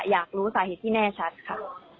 อยากรู้สาเหตุที่แน่ชัดค่ะ